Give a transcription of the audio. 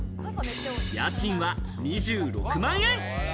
家賃は２６万円。